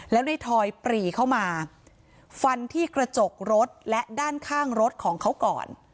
แล้วในทอยปรีเข้ามาฟันที่กระจกรถและด้านข้างรถของเขาก่อน